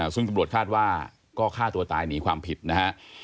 ซึ่งตำรวจคาดว่าก็ฆ่าตัวตายหนีความผิดนะฮะ